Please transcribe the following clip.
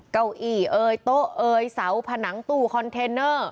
เก้าอี้เอ่ยโต๊ะเอ่ยเสาผนังตู้คอนเทนเนอร์